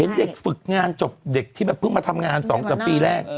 เด็กฝึกงานจบเด็กที่แบบเพิ่งมาทำงาน๒๓ปีแรก